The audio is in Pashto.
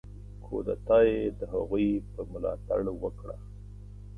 کودتا یې د هغوی په ملاتړ وکړه.